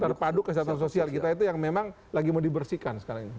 terpadu kesehatan sosial kita itu yang memang lagi mau dibersihkan sekarang ini